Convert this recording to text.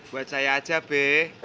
buat saya aja be